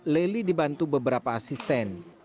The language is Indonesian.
leli dibantu beberapa asisten